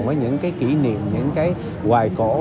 với những kỷ niệm những hoài cổ